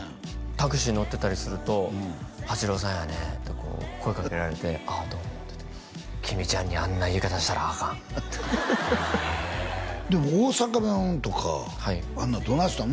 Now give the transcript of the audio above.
タクシー乗ってたりすると「八郎さんやね」って声かけられて「ああどうも」って「喜美ちゃんにあんな言い方したらあかん」でも大阪弁とかあんなんどないしたん？